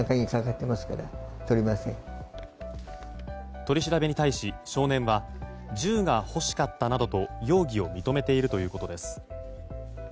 取り調べに対し、少年は銃が欲しかったなどと容疑を認めているということです。